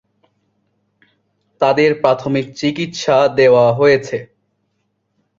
তাঁদের প্রাথমিক চিকিৎসা দেওয়া হয়েছে।